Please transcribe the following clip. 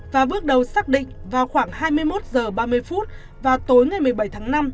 và bước đầu xác định vào khoảng hai mươi một h ba mươi vào tối ngày một mươi bảy tháng năm